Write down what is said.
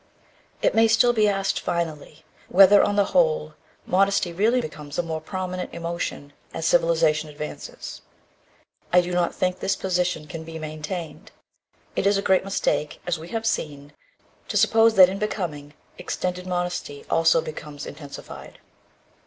It may still be asked finally whether, on the whole, modesty really becomes a more prominent emotion as civilization advances. I do not think this position can be maintained. It is a great mistake, as we have seen, to suppose that in becoming extended modesty also becomes intensified.